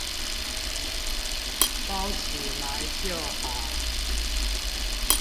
包起來就好